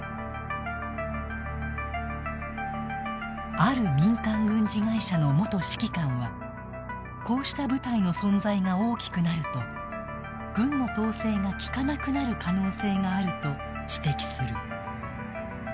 ある民間軍事会社の元指揮官はこうした部隊の存在が大きくなると軍の統制が効かなくなる可能性があると指摘する。